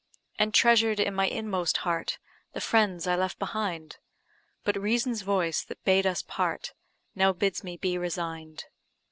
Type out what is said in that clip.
And treasured in my inmost heart, The friends I left behind; But reason's voice, that bade us part, Now bids me be resign'd.